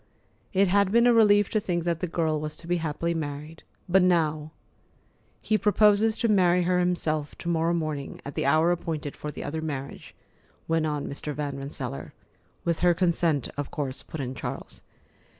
It had been a relief to think that the girl was to be happily married. But now! "He proposes to marry her himself, to morrow morning, at the hour appointed for the other marriage," went on Mr. Van Rensselaer. "With her consent, of course," put in Charles.